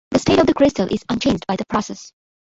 The state of the crystal is unchanged by the process.